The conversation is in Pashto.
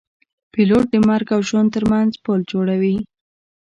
پیلوټ د مرګ او ژوند ترمنځ پل جوړوي.